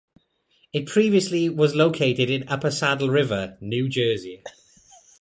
It previously was located in Upper Saddle River, New Jersey.